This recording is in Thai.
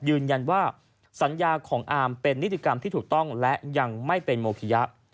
ยืนยันว่าสัญญาของอาร์มเป็นนิติกรรมที่ถูกต้องและยังไม่เป็นโมคิยะ